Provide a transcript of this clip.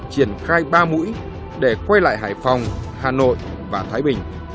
triển khai ba mũi để quay lại hải phòng hà nội và thái bình